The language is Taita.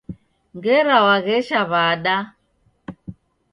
Ngera waghesha wada?